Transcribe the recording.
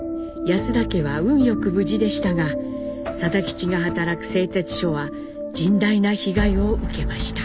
安田家は運良く無事でしたが定吉が働く製鉄所は甚大な被害を受けました。